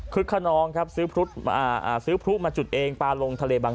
คือค่ะน้องครับซื้อพรุธมาซื้อพรุธมาจุดเองปลาลงทะเลบาง